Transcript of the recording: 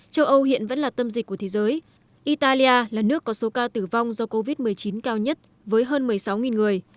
châu âu hiện vẫn là tâm dịch của thế giới italia là nước có số ca tử vong do covid một mươi chín cao nhất với hơn một mươi sáu người